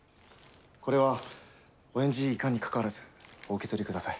これはお返事いかんに関わらずお受け取りください。